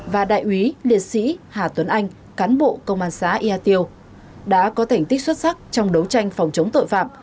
và đại úy liệt sĩ hà tuấn anh cán bộ công an xã ia tiêu đã có thành tích xuất sắc trong đấu tranh phòng chống tội phạm